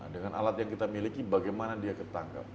dengan alat yang kita miliki bagaimana dia ketangkap